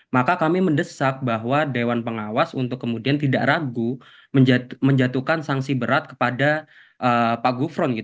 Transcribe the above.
maka kami mendesak bahwa dewan pengawas untuk kemudian tidak ragu menjatuhkan sanksi berat kepada pak gufron